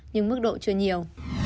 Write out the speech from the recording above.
nhưng mức độ chưa nhiều